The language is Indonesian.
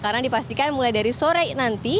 karena dipastikan mulai dari sore nanti